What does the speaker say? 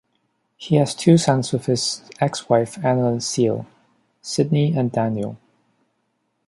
He has two sons with his ex-wife, Annalynn Seal; Sidney and Daniel.